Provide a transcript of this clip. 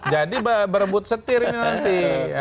jadi berebut setir ini nanti